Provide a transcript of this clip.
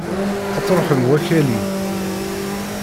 Ad truḥem wakali!